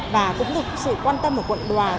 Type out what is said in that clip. và cũng được sự quan tâm của quận đoàn